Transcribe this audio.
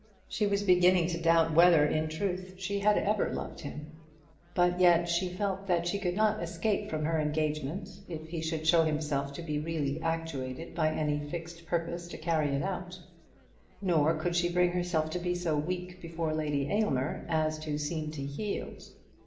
She was beginning to doubt whether, in truth, she had ever loved him. But yet she felt that she could not escape from her engagement if he should show himself to be really actuated by any fixed purpose to carry it out; nor could she bring herself to be so weak before Lady Aylmer as to seem to yield.